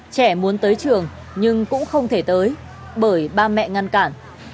trẻ muốn tới trường nhưng cũng không thể tới bởi ba mẹ ngăn cản